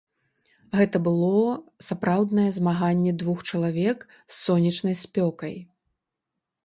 Гэта было сапраўднае змаганне двух чалавек з сонечнай спёкай.